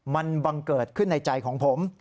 มันบังเกิดขึ้นในใจของผม